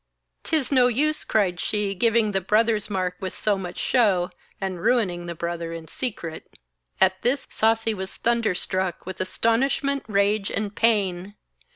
''Tis no use,' cried she, 'giving the "brother's mark" with so much show and ruining the brother in secret.' At this Sasi was thunderstruck with astonishment, rage, and pain.